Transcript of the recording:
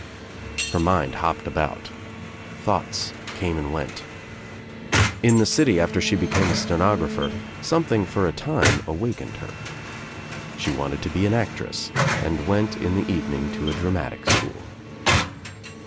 Her mind hopped about. Thoughts came and went. In the city, sfter she became a stenographer, something for a time IE TRIUMPH OF THE EGG awakened her. She wanted to be an actress and went in the evening to a dramatic school.